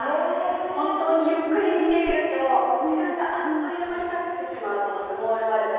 本当にゆっくり見ていると時間があっという間にたってしまうスモールワールズ。